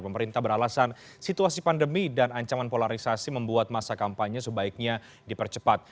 pemerintah beralasan situasi pandemi dan ancaman polarisasi membuat masa kampanye sebaiknya dipercepat